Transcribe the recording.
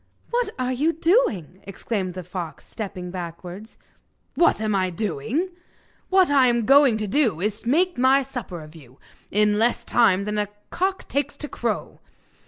'What are you doing?' exclaimed the fox, stepping backwards. 'What am I doing? What I am going to do is to make my supper off you, in less time than a cock takes to crow.